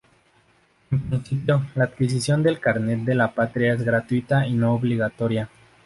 En principio, la adquisición del carnet de la patria es gratuita y no obligatoria.